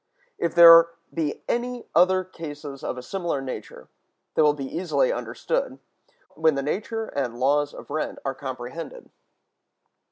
If there be any other cases of a similar nature, they will be easily understood, when the nature and laws of rent are comprehended.